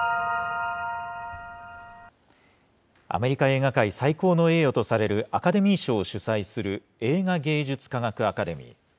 アメリカ映画界、最高の栄誉とされるアカデミー賞を主催する映画芸術科学アカデミー。